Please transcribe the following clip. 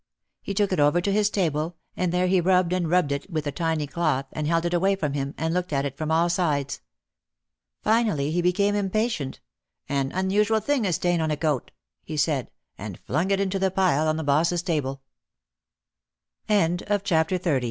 He took it over to his table and there he rubbed and rubbed it with a tiny cloth, and held it away from him, and looked at it from all sides. Finally he became impatient. "An un usual thing a stain on a coat," he said, and flung it into the pile on the boss's tabl